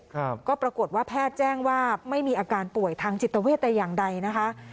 ครับก็ปรากฏว่าแพทย์แจ้งว่าไม่มีอาการป่วยทางจิตเวทแต่อย่างใดนะคะ